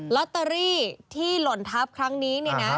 ลอตเตอรี่ที่หล่นทัพครั้งนี้เนี่ยนะ